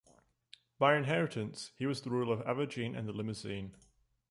By inheritance, he was the ruler of Auvergne and the Limousin.